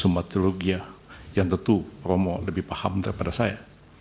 itu dalam sebuah ideologi yang tentu romo lebih paham daripada saya